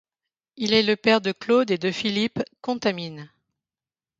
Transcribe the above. Il est le père de Claude et de Philippe Contamine.